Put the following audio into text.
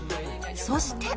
そして。